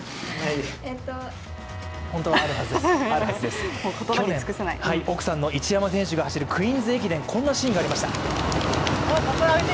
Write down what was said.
去年、奥さんの一山選手が走るクイーンズ駅伝、こんなシーンがありました。